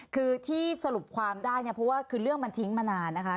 คือที่สรุปความได้เนี่ยเพราะว่าคือเรื่องมันทิ้งมานานนะคะ